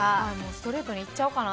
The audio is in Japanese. ストレートにいっちゃおうかな。